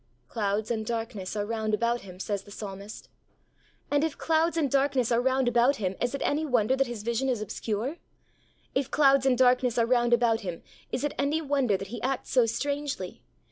'Clouds and darkness are round about Him,' says the psalmist. And if clouds and darkness are round about Him, is it any wonder that His vision is obscure? If clouds and darkness are round about Him, is it any wonder that He acts so strangely?